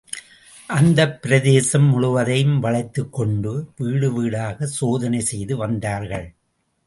அந்தப் பிரதேசம் முழுவதையும் வளைத்துக்கொண்டு, வீடு வீடாகச் சோதனை செய்து வந்தார்கள்.